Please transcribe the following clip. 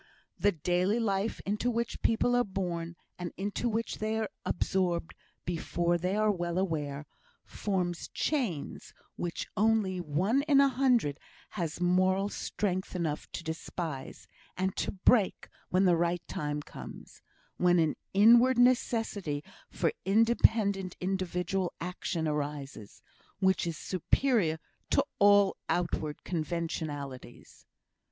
The daily life into which people are born, and into which they are absorbed before they are well aware, forms chains which only one in a hundred has moral strength enough to despise, and to break when the right time comes when an inward necessity for independent individual action arises, which is superior to all outward conventionalities.